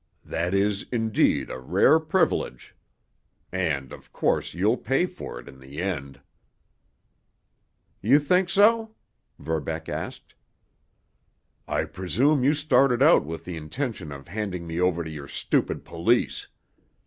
That is, indeed, a rare privilege. And, of course, you'll pay for it in the end." "You think so?" Verbeck asked. "I presume you started out with the intention of handing me over to your stupid police.